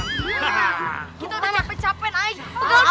kita udah capek capekin aja